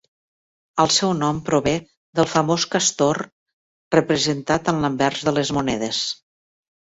El seu nom prové del famós castor representat en l'anvers de les monedes.